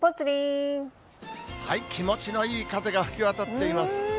気持ちのいい風が吹き渡っています。